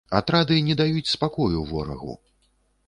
Атрады не даюць спакою ворагу.